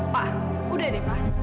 pak udah deh pak